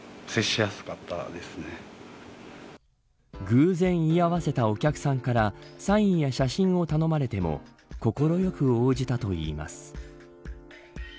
偶然居合わせたお客さんからサインや写真を頼まれても快く応じたといいます。